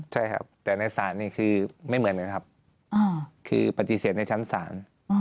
ใช่ครับแต่ในศาลนี่คือไม่เหมือนกันครับคือปฏิเสธในชั้นศาล